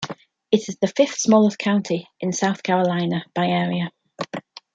It is the fifth-smallest county in South Carolina by area.